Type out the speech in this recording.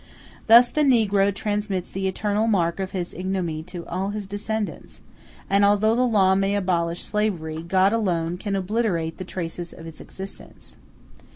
Thus the negro transmits the eternal mark of his ignominy to all his descendants; and although the law may abolish slavery, God alone can obliterate the traces of its existence.